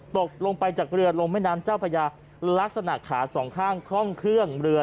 ตกลงไปจากเรือลงแม่น้ำเจ้าพญาลักษณะขาสองข้างคล่องเครื่องเรือ